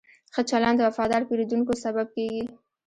ښه چلند د وفادار پیرودونکو سبب کېږي.